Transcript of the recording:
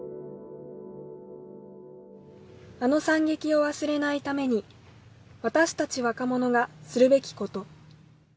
「あの惨劇を忘れないために私たち若者がするべきこと」。